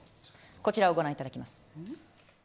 こちらをご覧いただきます。